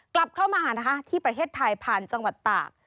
กลับเข้ามานะคะที่ประเทศไทยผ่านจังหวัดตาก